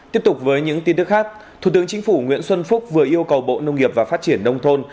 tiếp tục với những tin tức khác thủ tướng chính phủ nguyễn xuân phúc vừa yêu cầu bộ nông nghiệp và phát triển nông thôn